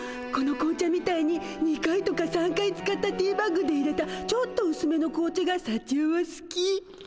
この紅茶みたいに２回とか３回使ったティーバッグでいれたちょっとうすめの紅茶がさちよはすき。